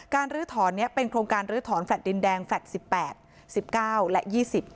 การรื้อถอนเนี้ยเป็นโครงการรื้อถอนแฟลตดินแดงแฟลตสิบแปดสิบเก้าและยี่สิบ